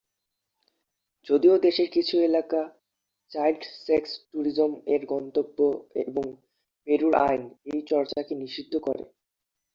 যদিও দেশের কিছু এলাকা চাইল্ড সেক্স ট্যুরিজম এর গন্তব্য এবং পেরুর আইন এই চর্চাকে নিষিদ্ধ করে।